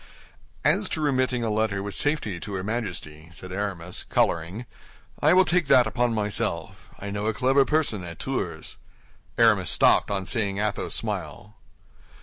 "As to remitting a letter with safety to her Majesty," said Aramis, coloring, "I will take that upon myself. I know a clever person at Tours—" Aramis stopped on seeing Athos smile.